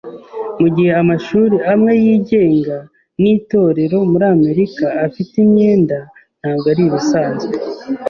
Mugihe amashuri amwe yigenga nitorero muri Amerika afite imyenda, ntabwo aribisanzwe.